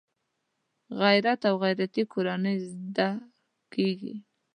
غیرت له غیرتي کورنۍ زده کېږي